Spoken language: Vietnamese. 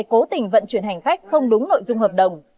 cố tình vận chuyển hành khách không đúng nội dung hợp đồng